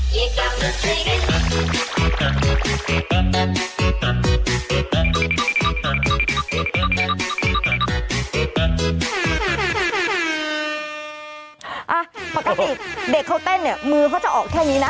ปกติเด็กเขาเต้นเนี่ยมือเขาจะออกแค่นี้นะ